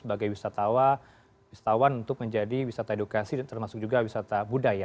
sebagai wisatawan wisatawan untuk menjadi wisata edukasi termasuk juga wisata budaya